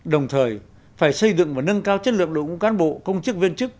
đồng thời phải xây dựng và nâng cao chất lượng độ của cán bộ công chức viên chức